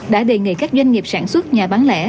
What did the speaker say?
đã đề nghị các doanh nghiệp sản xuất nhà bán lẻ